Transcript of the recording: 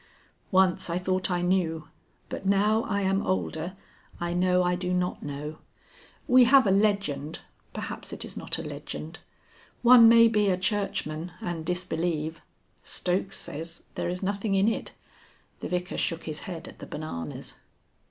"Once I thought I knew. But now I am older I know I do not know. We have a Legend perhaps it is not a legend. One may be a churchman and disbelieve. Stokes says there is nothing in it...." The Vicar shook his head at the bananas.